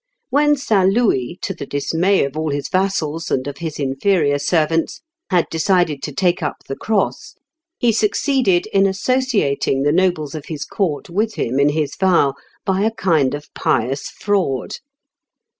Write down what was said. When St. Louis, to the dismay of all his vassals, and of his inferior servants, had decided to take up the cross, he succeeded in associating the nobles of his court with him in his vow by a kind of pious fraud.